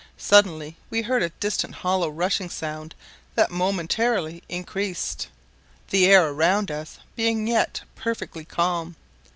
Suddenly we heard a distant hollow rushing sound that momentarily increased, the air around us being yet perfectly calm.